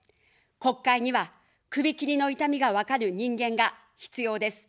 国会には、首切りの痛みが分かる人間が必要です。